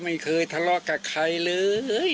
ไม่เคยทะเลาะกับใครเลย